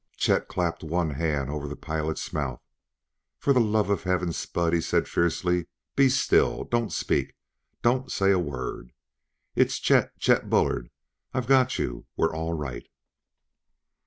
Chet clapped one hand over the pilot's mouth. "For the love of heaven, Spud," he said fiercely, "be still! Don't speak don't say a word! It's Chet Chet Bullard! I've got you, we're all right!"